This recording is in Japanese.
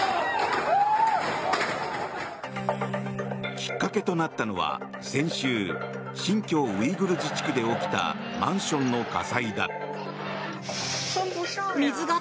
きっかけとなったのは、先週新疆ウイグル自治区で起きたマンションの火災だ。